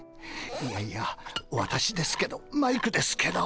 いやいや私ですけどマイクですけど。